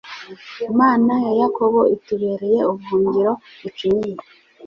Imana ya Yakobo itubereye ubuhungiro bucinyiye